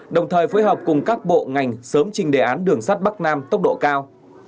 đồng thời phối hợp cùng các bộ ngành sớm trình đề án đường sắt bắc nam tốc độ cao